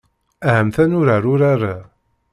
Ahamt ad nurar urar-a.